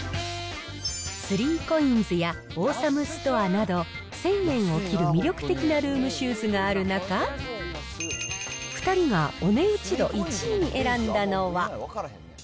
３コインズやオーサムストアなど、１０００円を切る魅力的なルームシューズがある中、２人がお値打ち度１位に選んだのは。